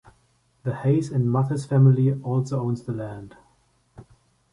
The Hayes and Mathis family also owns the land.